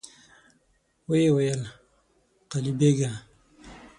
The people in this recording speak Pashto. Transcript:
ويې ويل: قلي بېګه!